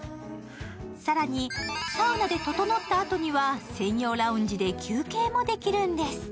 更に、サウナでととのったあとには専用ラウンジで休憩もできるんです。